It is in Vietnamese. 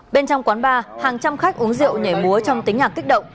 bên trong quán ba hàng trăm khách uống rượu nhảy múa trong tính nhạc kích động